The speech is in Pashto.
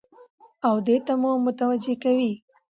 او دې ته مو متوجه کوي